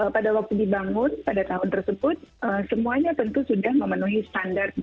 pada waktu dibangun pada tahun tersebut semuanya tentu sudah memenuhi standar